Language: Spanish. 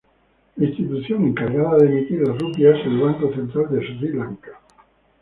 La institución encargada de emitir la rupia es el Banco Central de Sri Lanka.